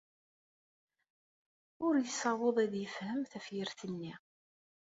Ur yessaweḍ ad yefhem tafyirt-nni.